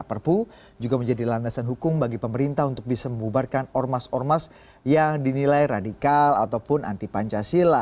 perpu juga menjadi landasan hukum bagi pemerintah untuk bisa membubarkan ormas ormas yang dinilai radikal ataupun anti pancasila